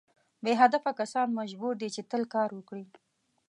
بې هدفه کسان مجبور دي چې تل کار وکړي.